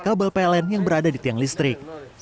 kabel pln yang berada di tiang listrik